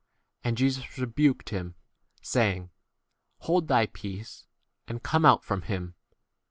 And Jesus rebuked him, saying, Hold thy peace, and come out from k him.